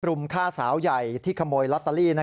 รุมฆ่าสาวใหญ่ที่ขโมยลอตเตอรี่